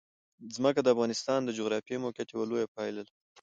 ځمکه د افغانستان د جغرافیایي موقیعت یوه لویه پایله ده.